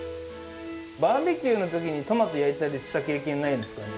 バーベキューのときにトマト焼いたりした経験ないですかね？